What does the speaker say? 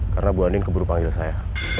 karena bu anin keburu panggil saya